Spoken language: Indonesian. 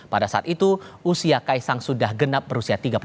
pada saat itu usia kaisang sudah genap berusia tiga puluh tahun